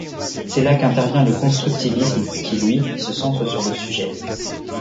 C’est là qu’intervient le constructivisme, qui, lui, se centre sur le sujet.